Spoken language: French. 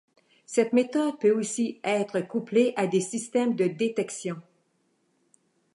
Cette méthode peut aussi être couplée à des systèmes de détection.